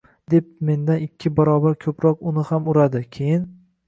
— deb mendan ikki barobar ko'proq uni ham uradi. Keyin: